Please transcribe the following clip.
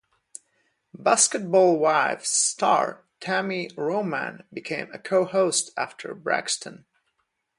"Basketball Wives" star Tami Roman became a co-host after Braxton.